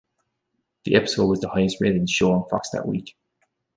The episode was the highest-rated show on Fox that week.